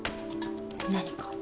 何か？